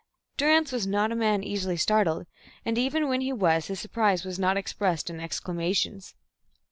Durrance was not a man easily startled, and even when he was, his surprise was not expressed in exclamations.